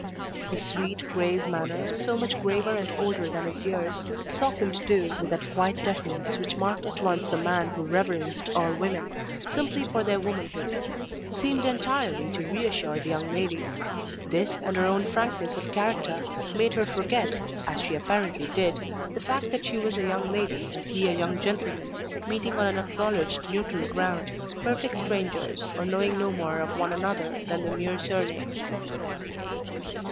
His sweet, grave manner, so much graver and older than his years, softened too with that quiet deference which marked at once the man who reverenced all women, simply for their womanhood seemed entirely to reassure the young lady. This, and her own frankness of character, made her forget, as she apparently did, the fact that she was a young lady and he a young gentleman, meeting on unacknowledged neutral ground, perfect strangers, or knowing no more of one another than the mere surname.